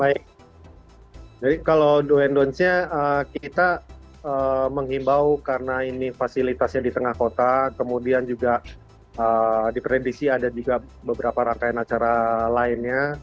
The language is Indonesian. baik jadi kalau do and ⁇ dont ⁇ nya kita menghimbau karena ini fasilitasnya di tengah kota kemudian juga dipredisi ada juga beberapa rangkaian acara lainnya